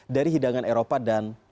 dari hidangan eropa dan